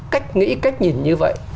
cách nghĩ cách nhìn như vậy